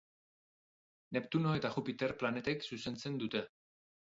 Neptuno eta Jupiter planetek zuzentzen dute.